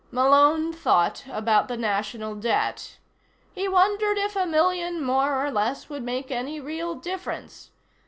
Malone thought about the National Debt. He wondered if a million more or less would make any real difference.